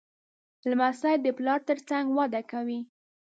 لمسی د پلار تر څنګ وده کوي.